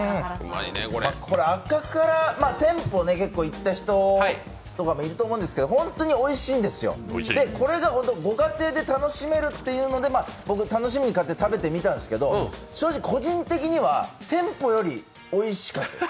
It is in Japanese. これ、赤から、店舗に行った人もいると思うんですけど、本当においしいんですよ、これがご家庭で楽しめるっていうので僕、楽しみに買って食べてみたんですけど正直、個人的には店舗よりおいしかったです。